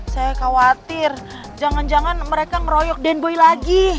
saya khawatir jangan jangan mereka ngeroyok den boy lagi